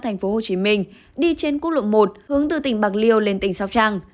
thành phố hồ chí minh đi trên quốc lộ một hướng từ tỉnh bạc liêu lên tỉnh sóc trăng